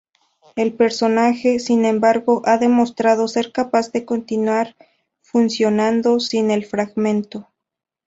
El personaje, sin embargo, ha demostrado ser capaz de continuar funcionando sin el fragmento.